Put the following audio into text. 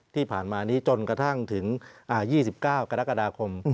ที่ผ่านมานี้จนกระทั่งถึง๒๙กรกฎาคม